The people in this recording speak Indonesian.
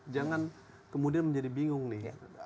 jangan kemudian menjadi bingung nih